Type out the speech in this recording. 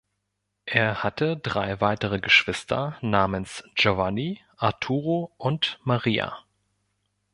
Er hatte drei weitere Geschwister namens "Giovanni", "Arturo" und "Maria".